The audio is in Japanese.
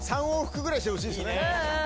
３往復ぐらいしてほしいですね。